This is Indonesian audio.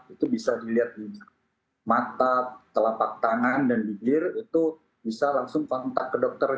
itu bisa dilihat di mata telapak tangan dan bibir itu bisa langsung kontak ke dokter